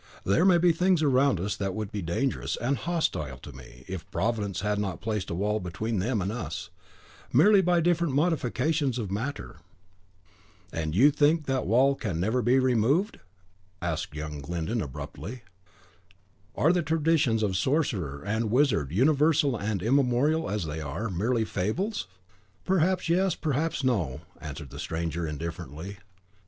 There may be things around us that would be dangerous and hostile to men, if Providence had not placed a wall between them and us, merely by different modifications of matter." "And think you that wall never can be removed?" asked young Glyndon, abruptly. "Are the traditions of sorcerer and wizard, universal and immemorial as they are, merely fables?" "Perhaps yes, perhaps no," answered the stranger, indifferently.